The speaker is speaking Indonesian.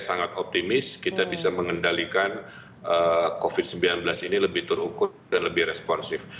sangat optimis kita bisa mengendalikan covid sembilan belas ini lebih terukur dan lebih responsif